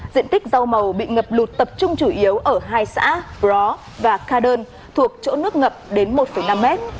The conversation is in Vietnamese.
diện tích rau màu bị ngập lụt tập trung chủ yếu ở hai xã pro và kha đơn thuộc chỗ nước ngập đến một năm mét